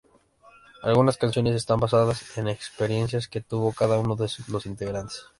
Algunas canciones están basadas en experiencias que tuvo cada uno de los integrantes.